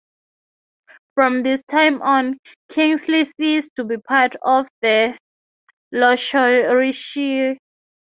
From this time on, Kinglassie ceased to be part of Lochoreshire.